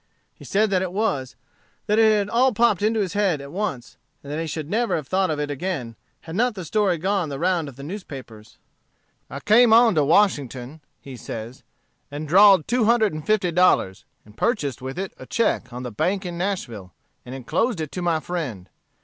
He said that it was; that it had all popped into his head at once; and that he should never have thought of it again, had not the story gone the round of the newspapers. "I came on to Washington," he says, "and drawed two hundred and fifty dollars, and purchased with it a check on the bank in Nashville, and enclosed it to my friend.